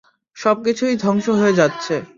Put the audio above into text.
সবকিছুই ধ্বংস হয়ে যাচ্ছে।